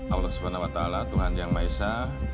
allah subhanahu wa ta'ala tuhan yang maha esa